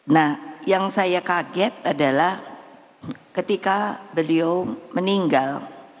nah yang saya kaget adalah ketika beliau meninggal